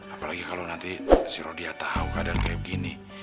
apalagi kalo nanti si rodia tau keadaan kayak begini